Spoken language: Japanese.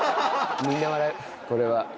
みんな笑う、これは。